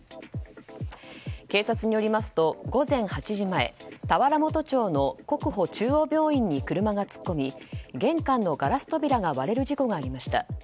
警察によりますと午前８時前田原本町の国保中央病院に車が突っ込み玄関のガラス扉が割れる事故がありました。